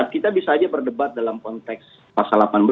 kita bisa saja berdebat dalam konteks pasal delapan belas